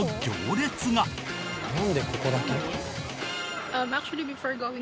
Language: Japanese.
なんでここだけ？